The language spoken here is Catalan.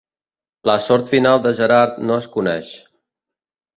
La sort final de Gerard no es coneix.